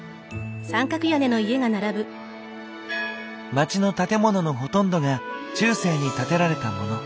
街の建物のほとんどが中世に建てられたモノ。